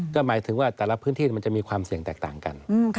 ก็หมายถึงว่าแต่ละพื้นที่มันจะมีความเสี่ยงแตกต่างกัน